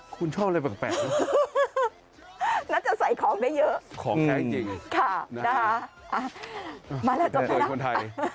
คุณชอบอะไรแปลกน่ะน่าจะใส่ของได้เยอะของแท้จริงค่ะมาแล้วจบไปนะ